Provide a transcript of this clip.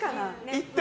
行って！